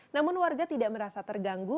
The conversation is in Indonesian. namun warga tidak merasa terganggu